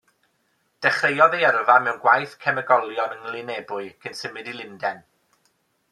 Dechreuodd ei yrfa mewn gwaith cemegolion yng Nglyn Ebwy, cyn symud i Lundain.